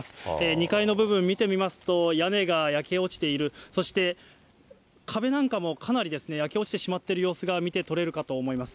２階の部分見てみますと、屋根が焼け落ちている、そして壁なんかもかなり焼け落ちてしまっている様子が見て取れるかと思います。